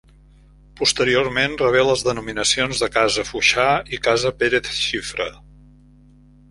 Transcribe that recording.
Posteriorment rebé les denominacions de casa Foixà i casa Pérez Xifra.